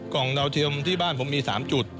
ดาวเทียมที่บ้านผมมี๓จุด